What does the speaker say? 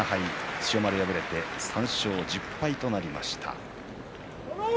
千代丸は敗れて３勝１０敗となりました。